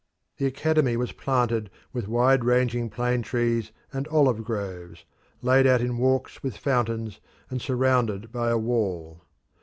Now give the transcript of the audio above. The Academy was planted with wide spreading plane trees and olive groves, laid out in walks with fountains, and surrounded by a wall.